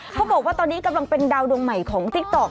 เขาบอกว่าตอนนี้กำลังเป็นดาวดวงใหม่ของติ๊กต๊อก